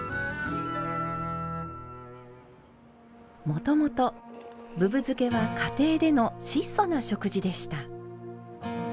もともと、ぶぶ漬けは家庭での質素な食事でした。